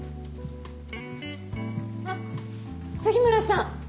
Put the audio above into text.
あっ杉村さん。